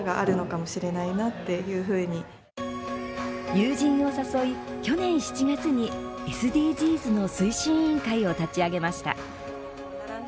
友人を誘い、去年７月にＳＤＧｓの推進委員会を立ち上げました。